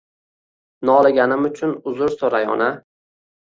Noliganim uchun uzr suray ona